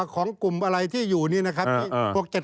ของกลุ่มอะไรที่อยู่นี่นะครับ